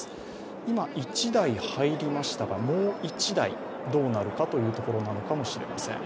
今、１台入りましたがもう１台、どうなるかというところなのかもしれません。